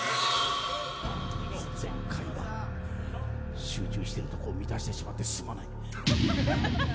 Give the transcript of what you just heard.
前回は集中しているところを乱してしまって、すまない。